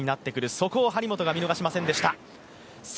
そこを張本が見逃しませんでした。